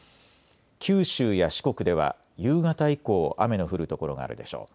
九州や四国では夕方以降、雨の降る所があるでしょう。